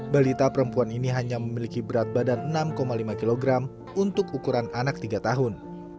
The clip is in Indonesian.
balita perempuan ini hanya memiliki berat badan enam lima kg untuk ukuran anak tiga tahun